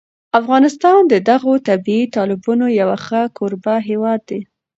افغانستان د دغو طبیعي تالابونو یو ښه کوربه هېواد دی.